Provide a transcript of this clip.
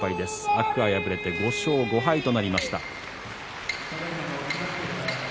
天空海は敗れて５勝５敗となりました。